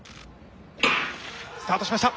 スタートしました。